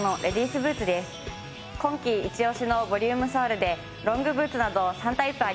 今季イチオシのボリュームソールでロングブーツなど３タイプあります。